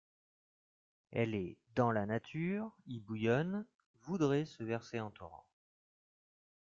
Elle est dans la Nature, y bouillonne, voudrait se verser en torrents.